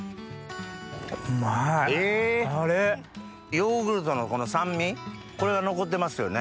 ヨーグルトのこの酸味これが残ってますよね。